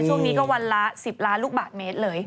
ช่วงนี้ก็วันละ๑๐ล้านลูกบาทเมตรเลย